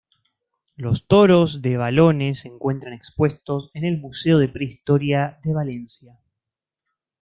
Los toros de Balones se encuentran expuestos en el Museo de Prehistoria de Valencia.